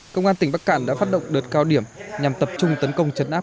công an tỉnh bắc cạn đã phát động đợt cao điểm nhằm tập trung tấn công chấn áp